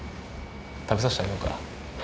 食べさしてあげようか。